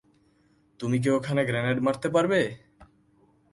তুমি কি ওখানে গ্রেনেড মারতে পারবে?